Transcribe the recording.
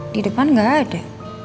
di depan nggak ada